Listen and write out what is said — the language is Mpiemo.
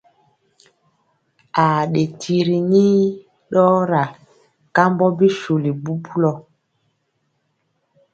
Aa ɗe tiri nii ɗɔɔra kambɔ bisuli bubulɔ.